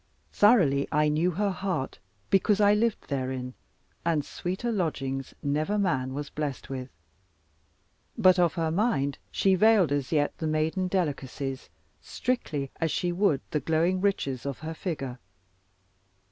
Thoroughly I knew her heart, because I lived therein, and sweeter lodgings never man was blessed with. But of her mind she veiled as yet the maiden delicacies, strictly as she would the glowing riches of her figure.